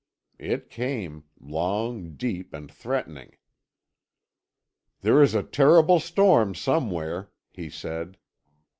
It came long, deep, and threatening. "There is a terrible storm somewhere," he said.